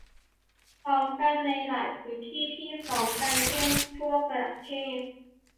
พร้อมกันในหลายพื้นที่พร้อมกัน เช่น ทั่วประเทศ